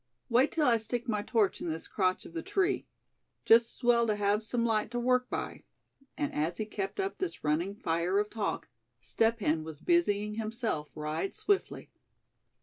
Wait till I stick my torch in this crotch of the tree. Just as well to have some light to work by," and as he kept up this running fire of talk, Step Hen was busying himself right swiftly.